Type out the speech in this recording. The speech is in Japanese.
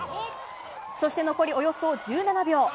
そして残りおよそ１７秒。